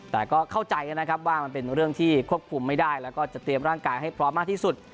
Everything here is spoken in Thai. แต่ก็เข้าใจกันนะครับว่ามันเป็นเรื่องที่ควบคุมไม่ได้แล้วก็จะเตรียมร่างกายให้พร้อมมากที่สุด